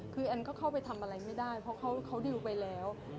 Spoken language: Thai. คือแอนก็เข้าไปทำอะไรไม่ได้เพราะเขาดิวไปแล้ว